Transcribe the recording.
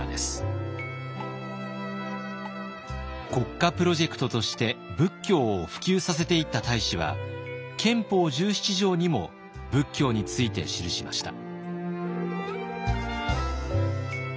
国家プロジェクトとして仏教を普及させていった太子は憲法十七条にも仏教について記しました。